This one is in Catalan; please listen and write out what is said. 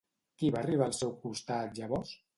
Qui va arribar al seu costat llavors?